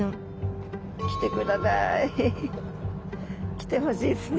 来てほしいっすね